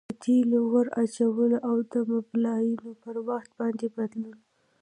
د تیلو ور اچول او د مبلایلو پر وخت باندي بدلول.